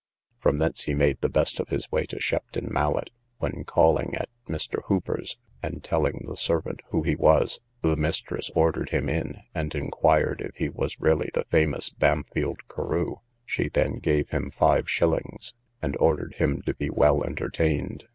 From thence he made the best of his way to Shepton Mallet, when, calling at Mr. Hooper's, and telling the servant who he was, the mistress ordered him in, and inquired if he was really the famous Bampfylde Carew; she then gave him five shillings, and ordered him to be well entertained.